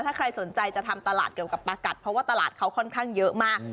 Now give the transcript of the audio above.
ถ้าใครสนใจจะทำตลาดเกี่ยวกับปากัดเพราะว่าตลาดเขาค่อนข้างเยอะมาก